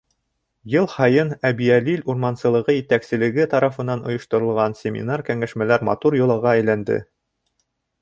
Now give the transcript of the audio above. Йыл һайын Әбйәлил урмансылығы етәкселеге тарафынан ойошторолған семинар-кәңәшмәләр матур йолаға әйләнде.